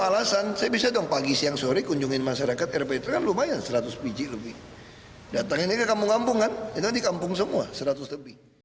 lebih lebih datang ini ke kampung kampung kan ini kan di kampung semua seratus tepi